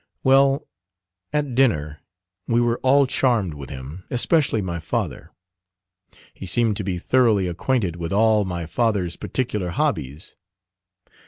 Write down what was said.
Well, at dinner we were all charmed with him, especially my father. He seemed to be thoroughly acquainted with all my father's particular hobbies.